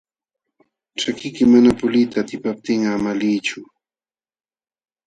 Ćhakiyki mana puliyta atipaptinqa ama liychu.